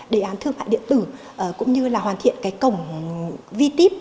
đề án thương mại điện tử cũng như là hoàn thiện cổng vtip